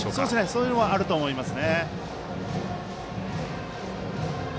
そういうのはあると思います。